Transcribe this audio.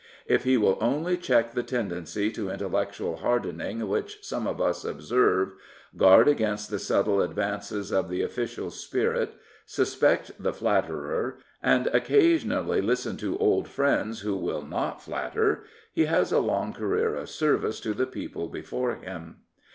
If he will only check the tendency to intellectual hardening which some of us observe, guard against the subtle advances of the ofiftcial spirit, suspect the flatterer, and occasionally listen to old friends who will not flatter, he has a long career of service to the people before him.